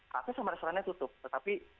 cafe sama restorannya tutup